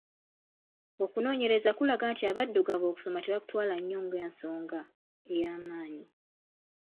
Okunoonyereza kulaga nti abaddugavu okusoma tebakutwala nnyo enga nsonga eya maanyi.